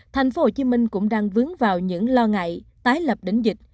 tp hcm cũng đang vướng vào những lo ngại tái lập đến dịch